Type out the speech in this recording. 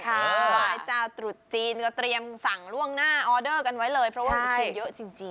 ไหว้เจ้าตรุษจีนก็เตรียมสั่งล่วงหน้าออเดอร์กันไว้เลยเพราะว่าคุณผู้ชมเยอะจริง